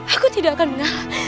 aku tidak akan mengalah